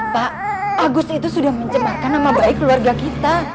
pak agus itu sudah mencemarkan nama baik keluarga kita